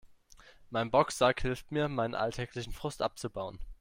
Mein Boxsack hilft mir, meinen alltäglichen Frust abzubauen.